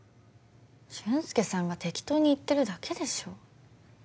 俊介さんが適当に言ってるだけでしょ。